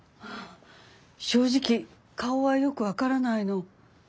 正直顔はよく分からないの。